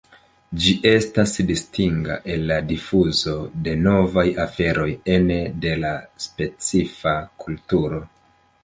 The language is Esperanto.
Ĝi estas distinga el la difuzo de novaj aferoj ene de specifa kulturo.